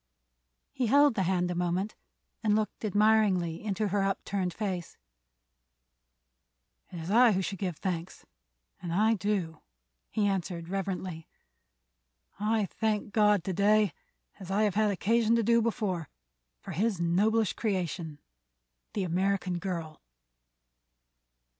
He held the hand a moment and looked admiringly into her upturned face. "It is I who should give thanks, and I do," he answered reverently. "I thank God to day, as I have had occasion to do before, for his noblest creation—the American girl."